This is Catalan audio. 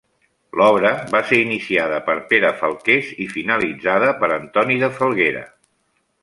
L'obra va ser iniciada per Pere Falqués i finalitzada per Antoni de Falguera.